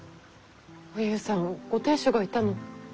おゆうさんご亭主がいたの？